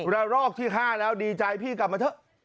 รอกที่๕แล้วดีใจพี่กลับมาเถอะ